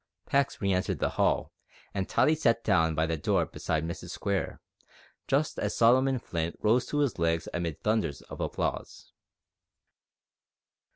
Pax re entered the hall, and Tottie sat down by the door beside Mrs Square, just as Solomon Flint rose to his legs amid thunders of applause.